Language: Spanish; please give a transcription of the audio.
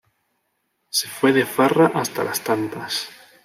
Se fue de farra hasta las tantas